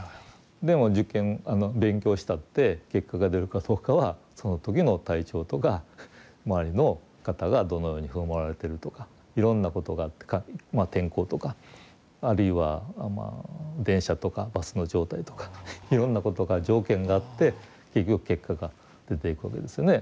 でも受験勉強したって結果が出るかどうかはその時の体調とか周りの方がどのように振る舞われてるとかいろんなことがあってまあ天候とかあるいは電車とかバスの状態とかいろんなことが条件があって結局結果が出ていくわけですよね。